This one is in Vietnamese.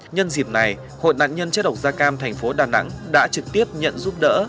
nhân dịp này hội nạn nhân chất độc da cam thành phố đà nẵng đã trực tiếp nhận giúp đỡ